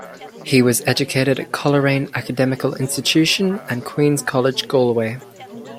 He was educated at Coleraine Academical Institution and Queens College Galway.